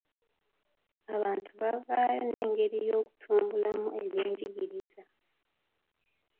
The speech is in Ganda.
Abantu bavaayo n'engeri z'okutumbulamu ebyenjigiriza.